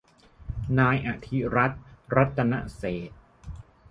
นายอธิรัฐ รัตนเศรษฐ